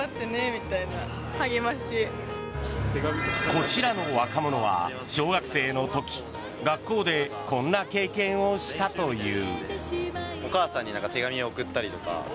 こちらの若者は小学生の時学校でこんな経験をしたという。